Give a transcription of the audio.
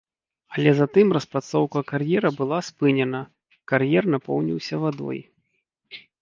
Але затым распрацоўка кар'ера была спынена, кар'ер напоўніўся вадой.